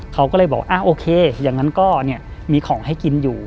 เขาก็เลยบอกโอเคอย่างนั้นก็เนี่ยมีของให้กินอยู่